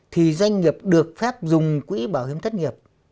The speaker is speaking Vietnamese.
thì doanh nghiệp được phép dùng quỹ bảo hiểm thất nghiệp